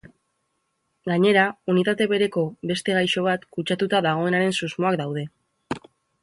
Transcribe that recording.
Gainera, unitate bereko beste gaixo bat kutsatuta dagoenaren susmoak daude.